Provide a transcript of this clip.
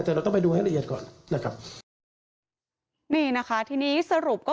แต่เราต้องไปดูให้ละเอียดก่อนนะครับนี่นะคะทีนี้สรุปก็